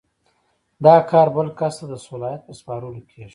دا کار بل کس ته د صلاحیت په سپارلو کیږي.